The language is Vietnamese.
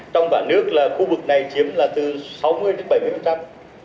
trong cả nước là khu vực này chiếm là từ sáu mươi đến bảy mươi